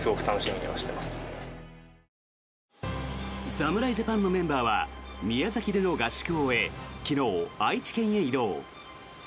侍ジャパンのメンバーは宮崎での合宿を終え昨日、愛知県へ移動。